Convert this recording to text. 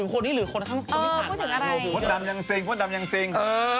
คนดำยังซิง